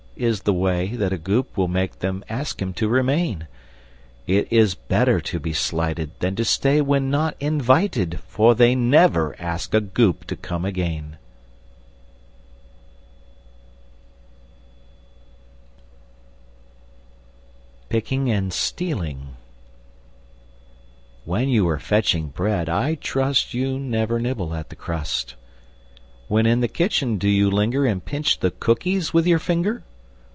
_" is the way That a Goop will make them ask him to remain. It is better to be slighted Than to stay when not invited, For they never ask a Goop to come again! [Illustration: Picking and Stealing] PICKING and STEALING When you are fetching bread, I trust You never nibble at the crust When in the kitchen, do you linger And pinch the cookies with your finger?